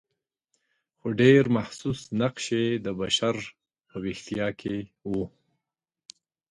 خو ډېر محسوس نقش یې د بشر په ویښتیا کې و.